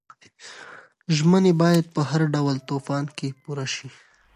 ژمنې باید په هر ډول طوفان کې پوره شي.